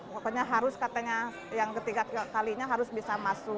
pokoknya harus katanya yang ketiga kalinya harus bisa masuk